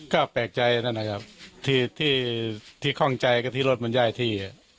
ก็แปลกใจนั่นนะครับที่คล่องใจก็ที่รถมันย้ายที่